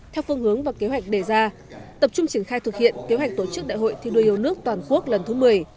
theo phương hướng và kế hoạch đề ra tập trung triển khai thực hiện kế hoạch tổ chức đại hội thi đua yêu nước toàn quốc lần thứ một mươi